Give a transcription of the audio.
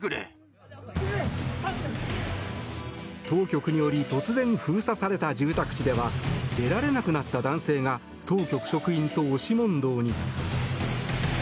当局により突然、封鎖された住宅地では出られなくなった男性が当局職員と押し問答に。